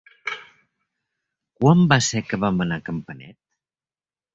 Quan va ser que vam anar a Campanet?